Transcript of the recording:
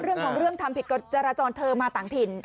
เรื่องของเรื่องทำผิดกฎจราจรเธอมาต่างถิ่น